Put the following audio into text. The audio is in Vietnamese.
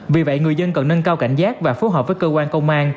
vì vậy người dân cần nâng cao cảnh giác và phối hợp với cơ quan công an